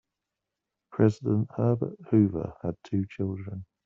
President Herbert Hoover had two children.